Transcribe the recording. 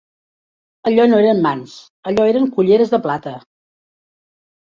Allò no eren mans, allò eren culleres de plata